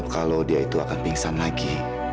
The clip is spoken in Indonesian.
kalau dia itu akan pingsan lagi